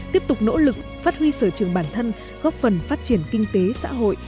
tiếp tục nỗ lực phát huy sở trường bản thân góp phần phát triển kinh tế xã hội